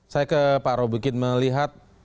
saya ke pak robikin melihat